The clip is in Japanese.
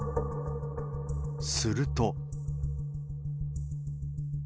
すると。